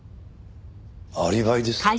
アリバイですか？